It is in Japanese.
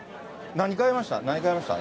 何買いました？